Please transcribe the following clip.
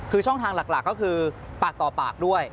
คือช่องทางหลักก็คือปากต่อปากด้วย